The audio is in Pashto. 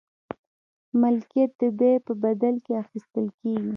ملکیت د بیې په بدل کې اخیستل کیږي.